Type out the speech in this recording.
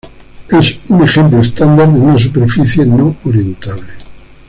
Es un ejemplo estándar de una superficie no orientable.